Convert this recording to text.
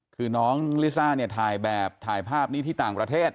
คือน้องลิซ่าเนี่ยถ่ายแบบถ่ายภาพนี้ที่ต่างประเทศ